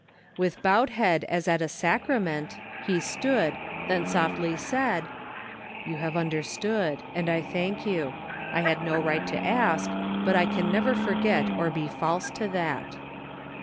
With bowed head as at a sacrament he stood, then softly said :" You have understood, and I thank you. I had no right to ask, but I can never forget or be false to that."